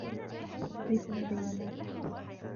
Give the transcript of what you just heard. ليس لدي مال.